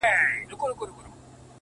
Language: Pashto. o شپه په خندا ده، سهار حیران دی.